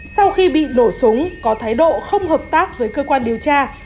sau khi bị nổ súng có thái độ không hợp tác với cơ quan điều tra